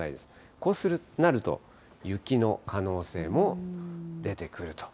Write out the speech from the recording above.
こうなると、雪の可能性も出てくると。